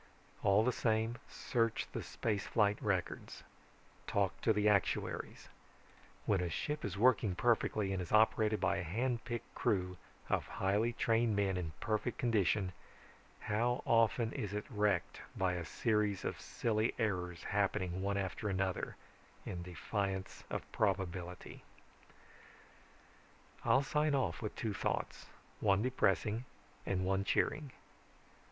"All the same, search the space flight records, talk to the actuaries. When a ship is working perfectly and is operated by a hand picked crew of highly trained men in perfect condition, how often is it wrecked by a series of silly errors happening one after another in defiance of probability? "I'll sign off with two thoughts, one depressing and one cheering.